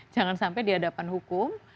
jangan sampai di hadapan hukum